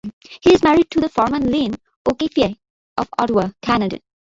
He is married to the former Lynn O'Keefe of Ottawa, Canada.